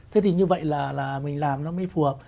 thế thì như vậy là mình làm nó mới phù hợp